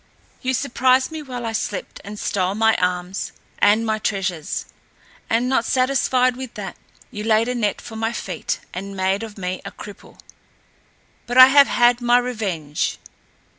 "You surprised me while I slept and stole my arms and my treasures; and not satisfied with that you laid a net for my feet and made of me a cripple. But I have had my revenge.